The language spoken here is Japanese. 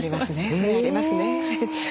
それありますね。